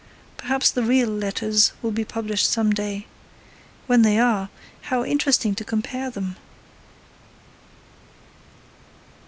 Perhaps the real letters will be published some day. When they are, how interesting to compare them!